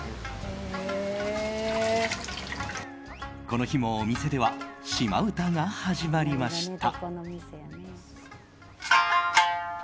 この日も、お店では島唄が始まりました。